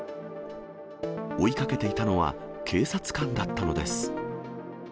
追いかけていたのは警察官だったのです。